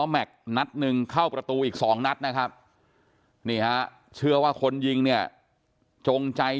แม็กซ์นัดหนึ่งเข้าประตูอีก๒นัดนะครับนี่ฮะเชื่อว่าคนยิงเนี่ยจงใจ